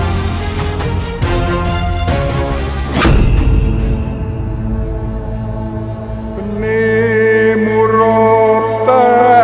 aku harus bersemedi